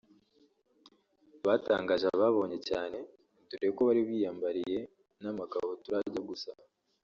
batangaje abababonye cyane dore ko bari biyambariye n’amakabutura ajya gusa